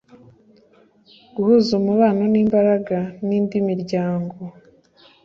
guhuza umubano n imbaraga n indi miryango